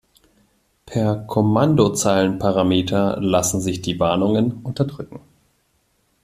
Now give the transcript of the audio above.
Per Kommandozeilenparameter lassen sich die Warnungen unterdrücken.